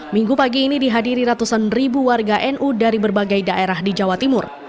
minggu pagi ini dihadiri ratusan ribu warga nu dari berbagai daerah di jawa timur